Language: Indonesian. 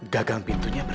gak ada apa apa